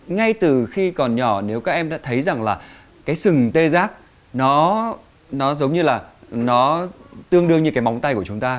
ngay từ khi còn nhỏ nếu các em đã thấy rằng là cái sừng tê giác nó giống như là nó tương đương như cái món tay của chúng ta